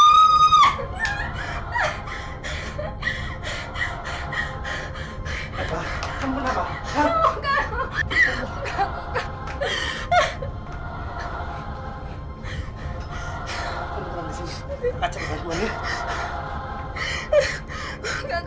kayaknya janganlah kamu gebru